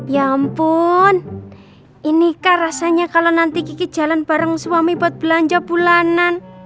ya ampun ini kan rasanya kalau nanti jalan bareng suami buat belanja bulanan